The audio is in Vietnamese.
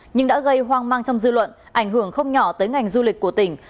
nhưng đã gây hoang mang trong dư luận ảnh hưởng không nhỏ tới ngành du lịch của tỉnh